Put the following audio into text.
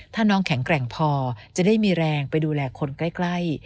ถ้าน้องแข็งแกร่งพอจะได้มีแรงไปดูแลคนใกล้